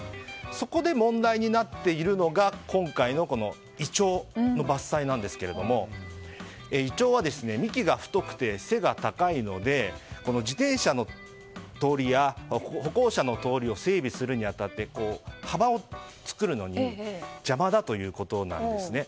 そこで問題になっているのが今回のイチョウの伐採なんですがイチョウは幹が太くて、背が高いので自転車の通りや歩行者の通りを整備するに当たって幅を作るのに邪魔だということなんですね。